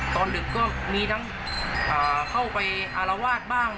ดึกก็มีทั้งเข้าไปอารวาสบ้าง